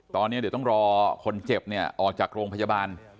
ตอนนี้เดี๋ยวต้องรอคนเจ็บเนี่ยออกจากโรงพยาบาล